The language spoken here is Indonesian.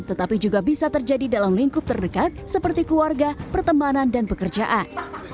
tetapi juga bisa terjadi dalam lingkup terdekat seperti keluarga pertemanan dan pekerjaan